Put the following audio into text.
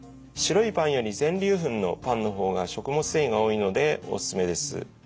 白いパンより全粒粉のパンの方が食物繊維が多いのでおすすめです。